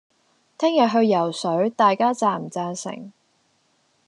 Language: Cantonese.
聽日去游水，大家贊唔贊成